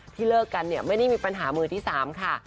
เลิกกันเนี่ยไม่ได้มีปัญหามือที่๓ค่ะ